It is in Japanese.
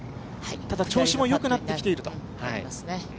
ただ調子もよくなってきていると。